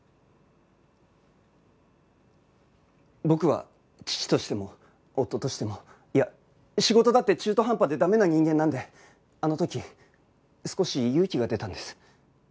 僕は父としても夫としてもいや仕事だって中途半端で駄目な人間なんであの時少し勇気が出たんです。